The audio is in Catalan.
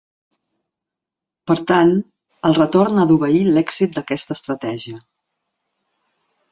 Per tant, el retorn ha d’obeir l’èxit d’aquesta estratègia.